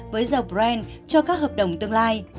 với dầu brent cho các hợp đồng tương lai